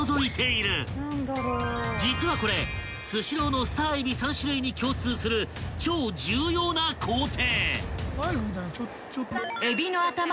［実はこれスシローのスターえび３種類に共通する超重要な工程］